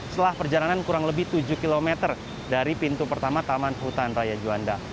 setelah perjalanan kurang lebih tujuh km dari pintu pertama taman hutan raya juanda